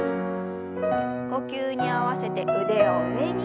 呼吸に合わせて腕を上に。